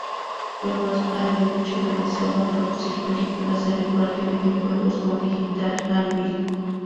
Robert había dicho que deseaba producir películas al igual que videojuegos con Digital Anvil.